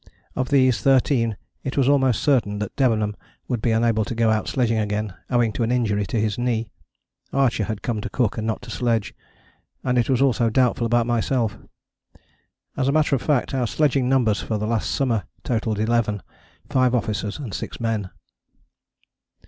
Of these thirteen it was almost certain that Debenham would be unable to go out sledging again owing to an injury to his knee: Archer had come to cook and not to sledge: and it was also doubtful about myself. As a matter of fact our sledging numbers for the last summer totalled eleven, five officers and six men.